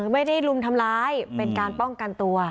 ไม่ได้ลุมทำร้ายเป็นการป้องกันตัว